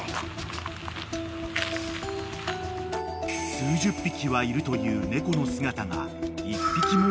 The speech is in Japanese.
［数十匹はいるという猫の姿が］